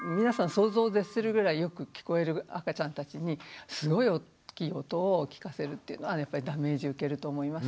想像絶するぐらいよく聞こえる赤ちゃんたちにすごい大きい音を聞かせるっていうのはやっぱりダメージ受けると思います。